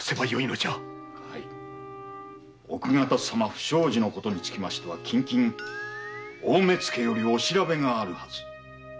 奥方様・不祥事につきましては近く大目付よりお調べがあるはず。